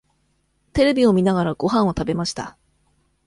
テレビを見ながらごはんを食べました。